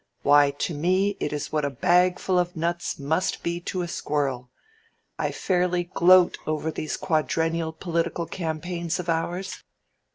Why, to me it is what a bag full of nuts must be to a squirrel. I fairly gloat over these quadrennial political campaigns of ours.